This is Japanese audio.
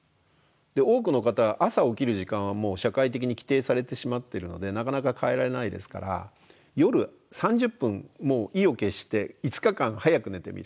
多くの方は朝起きる時間はもう社会的に規定されてしまってるのでなかなか変えられないですから夜３０分もう意を決して５日間早く寝てみる。